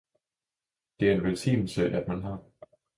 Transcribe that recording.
det er en velsignelse at man har dem!